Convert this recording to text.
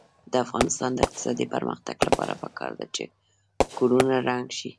د افغانستان د اقتصادي پرمختګ لپاره پکار ده چې کورونه رنګ شي.